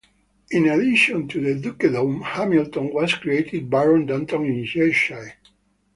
In addition to the Dukedom, Hamilton was created Baron Dutton in Cheshire.